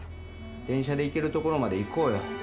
電車で行ける所まで行こうよ。